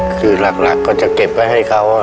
คือหลักก็จะเก็บไว้ให้เขา